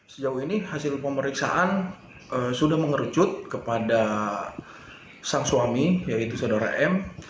sejauh ini hasil pemeriksaan sudah mengerucut kepada sang suami yaitu saudara m